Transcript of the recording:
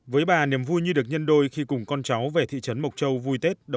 với bà niềm vui như được nhân đôi khi cùng con cháu về thị trấn mộc châu